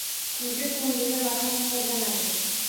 Kulgu ko‘ngilga malham hisoblanadi.